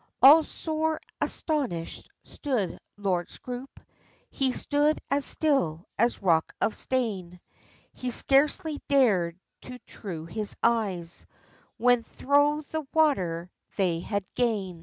All sore astonished stood Lord Scroope, He stood as still as rock of stane; He scarcely dared to trew his eyes, When thro the water they had gane.